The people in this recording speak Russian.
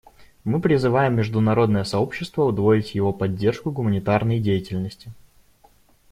Мы призываем международное сообщество удвоить его поддержку гуманитарной деятельности.